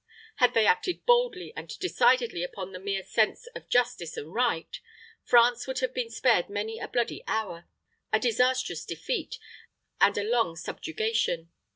Had they acted boldly and decidedly upon the mere sense of justice and right, France would have been spared many a bloody hour, a disastrous defeat, and a long subjugation.